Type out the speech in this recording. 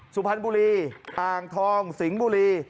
สุพรรณบุรีอ่างทองสิงห์บุรี